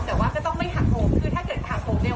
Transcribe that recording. แต่ว่าก็ต้องไม่หักผมคือถ้าเกิดหักผมเนี่ย